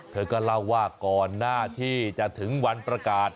เธอก็เล่าว่าก่อนหน้าที่จะถึงวันประกาศ